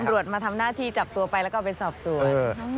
มาทำหน้าที่จับตัวไปแล้วก็ไปสอบสวน